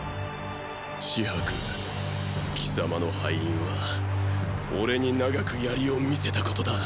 紫伯貴様の敗因は俺に長く槍を見せたことだ。